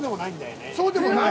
そうでもない？